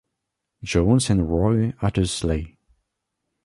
Jones and Roy Hattersley.